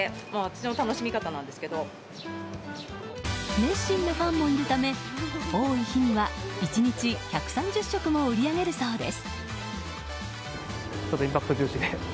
熱心なファンもいるため多い日には１日１３０食も売り上げるそうです。